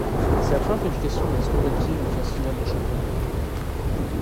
C'est la première qualification de la Slovaquie à une phase finale de championnat d'Europe.